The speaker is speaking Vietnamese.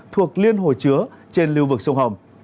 thuộc liên hồ chứa trên lưu vực sông hồng